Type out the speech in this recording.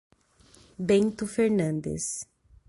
Bento Fernandes